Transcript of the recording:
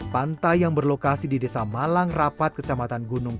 pantai yang berlokasi di desa malang rapat kecamatan gunung